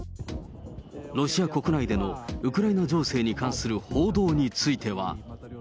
ロシア国内でのウクライナ情勢に関する報道については。